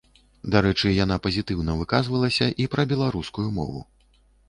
Дарэчы, яна пазітыўна выказвалася і пра беларускую мову.